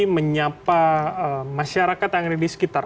menyapa masyarakat yang ada di sekitar